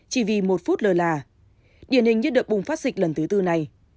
chỉ vì một phút lờ là điển hình như được bùng phát dịch lần thứ tư này